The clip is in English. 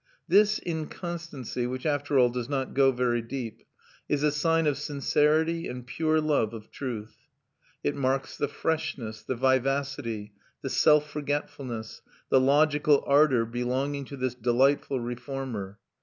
This inconstancy, which after all does not go very deep, is a sign of sincerity and pure love of truth; it marks the freshness, the vivacity, the self forgetfulness, the logical ardour belonging to this delightful reformer.